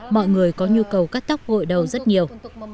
mọi người có nhu cầu cắt tóc gội đầu rất nhiều